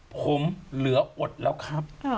ผมเหลืออดแล้วครับ